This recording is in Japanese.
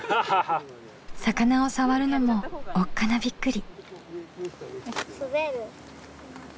魚を触るのもおっかなびっくり。